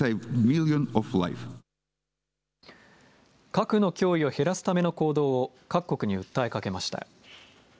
核の脅威を減らすための行動を各国に訴えかけました。